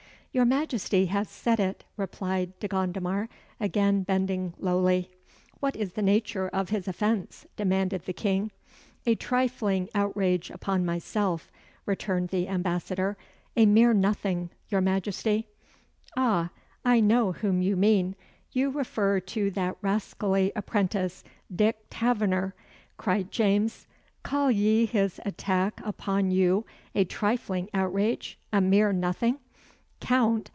"Your Majesty has said it," replied De Gondomar, again bending lowly. "What is the nature of his offence?" demanded the King. "A trifling outrage upon myself," returned the Ambassador; "a mere nothing, your Majesty." "Ah! I know whom you mean. You refer to that rascally apprentice, Dick Taverner," cried James. "Call ye his attack upon you a trifling outrage a mere nothing, Count.